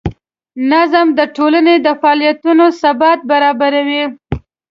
نظم د ټولنې د فعالیتونو ثبات برابروي.